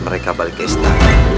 mas rara santa